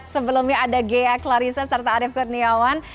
sebelumnya ada gaya clarissa serta arief kurniawan